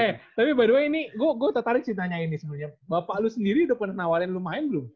eh tapi by the way ini gua tertarik sih ditanyain nih sebenernya bapak lu sendiri udah pernah nawarin lu main belum